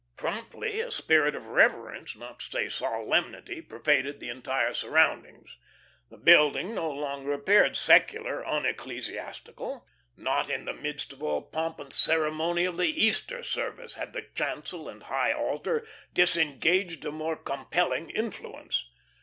Promptly a spirit of reverence, not to say solemnity, pervaded the entire surroundings. The building no longer appeared secular, unecclesiastical. Not in the midst of all the pomp and ceremonial of the Easter service had the chancel and high altar disengaged a more compelling influence.